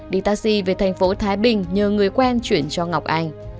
đi taxi về thành phố thái bình nhờ người quen chuyển cho ngọc anh